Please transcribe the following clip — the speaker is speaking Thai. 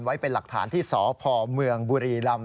ไว้เป็นหลักฐานที่สพเมืองบุรีรำ